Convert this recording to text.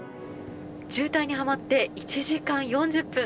渋滞にはまって１時間４０分。